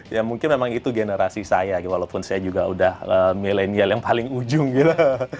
ya mungkin memang itu generasi saya walaupun saya juga udah milenial yang paling ujung gitu